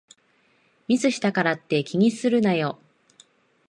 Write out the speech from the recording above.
ミスしたからって気にするなよ